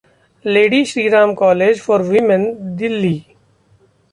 lady Shriram college for women, Delhi